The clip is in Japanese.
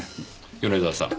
米沢さん。